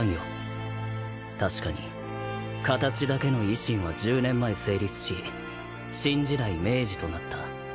確かに形だけの維新は１０年前成立し新時代明治となった。